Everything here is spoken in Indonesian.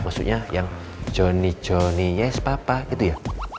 maksudnya yang johnny johnny yes papa itu ya